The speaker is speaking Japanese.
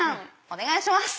お願いします！